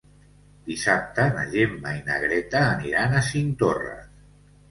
Dissabte na Gemma i na Greta aniran a Cinctorres.